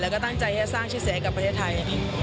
และตั้งใจให้สร้างชีวิตเสียงกับประเทศไทย